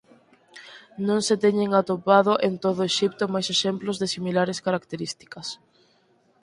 Non se teñen atopado en todo Exipto máis exemplos de similares características.